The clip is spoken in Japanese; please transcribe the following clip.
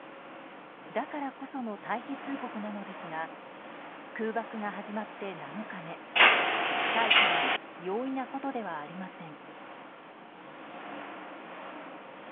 だからこその退避通告なのですが空爆が始まって７日目退避は容易なことではありません。